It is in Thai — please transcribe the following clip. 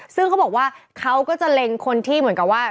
ซึ่งเขาบอกว่าเขาก็จะเล็งคนที่เหมือนกับว่า